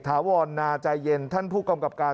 ถาวรนาใจเย็นท่านผู้กำกับการ